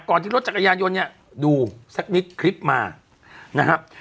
ที่รถจักรยานยนต์เนี่ยดูสักนิดคลิปมานะครับ